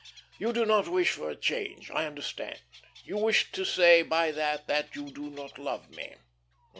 You do not wish for a change. I understand. You wish to say by that, that you do not love me.